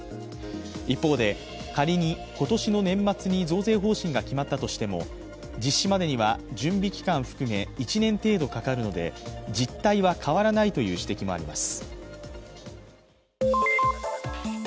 一方で仮に今年の年末に増税方針が決まったとしても、実施までには準備期間含め１年程度かかるので実態は変わらないという指摘もあります。